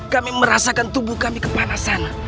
kami merasakan tubuh kami kepanasan